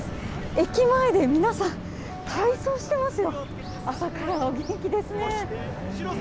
駅前で皆さん、体操してますよ、朝から元気ですね。